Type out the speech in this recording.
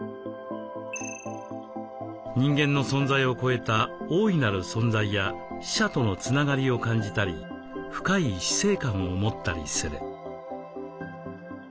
人間の存在を超えた大いなる存在や死者とのつながりを感じたり深い死生観を持ったりする。